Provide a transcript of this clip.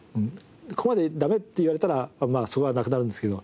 ここまでダメって言われたらまあそこはなくなるんですけど。